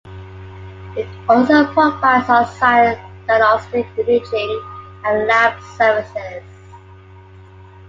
It also provides on-site diagnostic imaging and lab services.